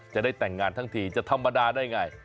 จะได้แต่งงานทั้งทีจะธรรมดาได้ไง